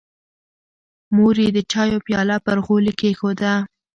مور یې د چایو پیاله پر غولي کېښوده.